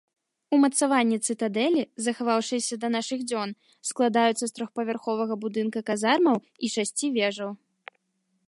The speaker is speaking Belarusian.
Умацаванні цытадэлі, захаваўшыяся да нашых дзён, складаюцца з трохпавярховага будынка казармаў і шасці вежаў.